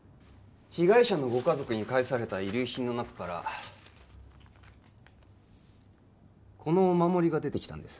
被害者のご家族に返された遺留品の中からこのお守りが出てきたんです